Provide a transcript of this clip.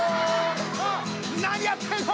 あっ何やってんの！